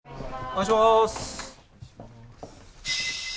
お願いします。